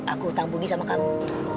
aku utang bunyi sama kamu